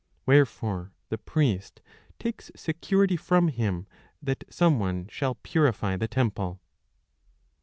Wherefore the priest takes security from him that some one shall purify the temple.